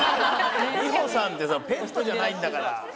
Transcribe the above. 美穂さんってペットじゃないんだから。